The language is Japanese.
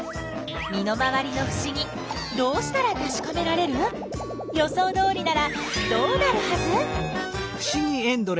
身の回りのふしぎどうしたらたしかめられる？予想どおりならどうなるはず？